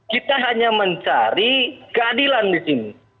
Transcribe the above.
kita hanya mencari keadilan di sini